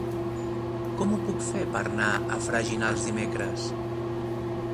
Com ho puc fer per anar a Freginals dimecres?